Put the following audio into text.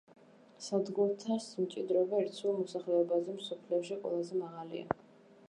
სადგურთა სიმჭიდროვე ერთ სულ მოსახლეზე მსოფლიოში ყველაზე მაღალია.